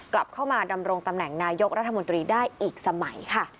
กลับเข้ามาดำรงตำแหน่งนายกรัฐมนตรีได้อีกสมัยค่ะ